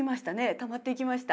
たまっていきました。